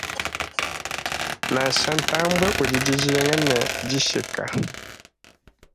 Nansha ntambue udi dijinga ne dikisha.